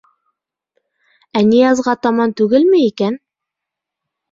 Ә Ниязға таман түгелме икән?